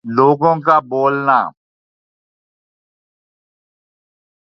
لوگوں کا بھولنا